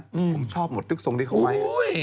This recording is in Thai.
ผมชอบหมดตึกทรงที่เขาไว้